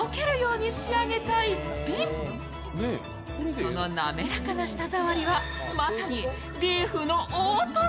その滑らかな舌触りは、まさにビーフの大トロ。